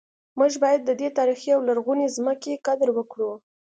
موږ باید د دې تاریخي او لرغونې ځمکې قدر وکړو